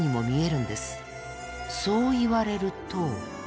そう言われると。